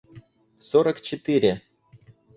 Сорок четыре.